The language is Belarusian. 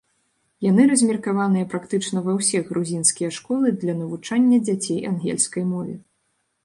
Яны размеркаваныя практычна ва ўсе грузінскія школы для навучання дзяцей ангельскай мове.